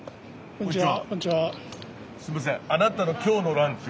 こんにちは。